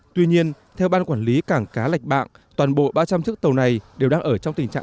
tuy nhiên theo ban quản lý cảng cá lạch bạng toàn bộ ba trăm linh chiếc tàu này đều đang ở trong tình trạng